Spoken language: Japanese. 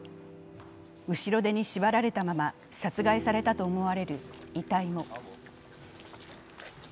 後ろ手に縛られたまま殺害されたと思われる遺体も。